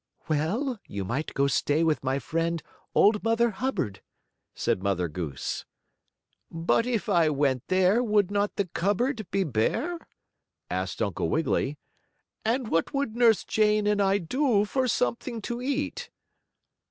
"Well, you might go stay with my friend Old Mother Hubbard," said Mother Goose. "But if I went there, would not the cupboard be bare?" asked Uncle Wiggily, "and what would Nurse Jane and I do for something to eat?"